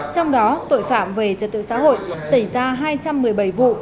trong đó tội phạm về trật tự xã hội xảy ra hai trăm một mươi bảy vụ